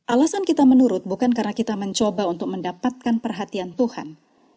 alasan kita menurut bukan karena kita mencoba untuk mendapatkan perhatian tuhan